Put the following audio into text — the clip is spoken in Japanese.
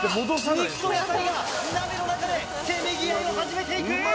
肉と野菜が鍋の中でせめぎ合いを始めていく！